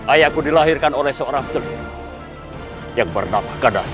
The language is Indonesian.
ayahku dilahirkan oleh seorang seluruh yang bernama gadasi